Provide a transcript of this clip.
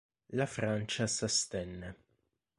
La Francia s'astenne.